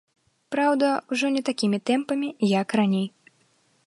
Праўда, ужо не такімі тэмпамі, як раней.